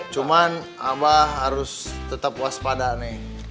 cuman abah harus tetap waspada nih